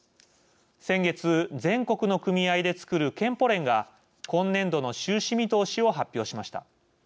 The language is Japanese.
先月、全国の組合で作る健保連が今年度の収支見通しを発表しました。